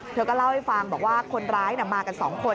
เธอก็เล่าให้ฟังบอกว่าคนร้ายมากัน๒คน